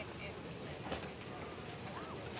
สวัสดีครับทุกคน